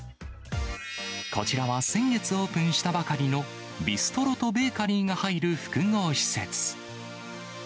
こちらは先月オープンしたばかりのビストロとベーカリーが入る複合施設。